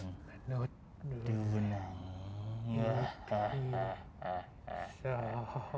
มนุษย์ดูหนัง